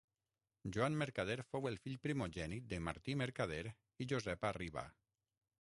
Joan Mercader fou el fill primogènit de Martí Mercader i Josepa Riba.